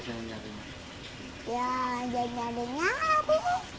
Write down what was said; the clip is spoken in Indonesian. ya jangan nyariin nyara bu